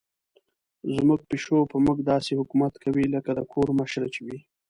زموږ پیشو په موږ داسې حکومت کوي لکه د کور مشره چې وي.